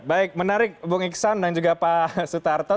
baik menarik bung iksan dan juga pak sutarto